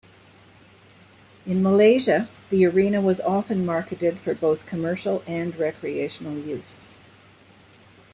In Malaysia, the Arena was often marketed for both commercial and recreational use.